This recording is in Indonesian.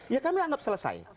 ya kami anggap selesai